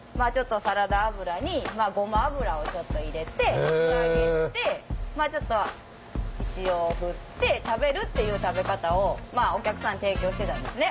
サラダ油にごま油をちょっと入れて素揚げしてちょっと塩振って食べるっていう食べ方をお客さんに提供してたんですね